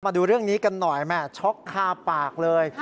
มาดูเรื่องนี้กันหน่อยแม่ช็อกคาปากเลย